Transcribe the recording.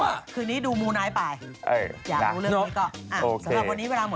วันนี้กลับมาเจอกับเรา๓คนใหม่